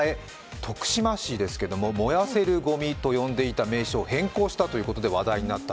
徳島市ですけども、「燃やせるごみ」と呼んでいた名称を変更したということで話題になった。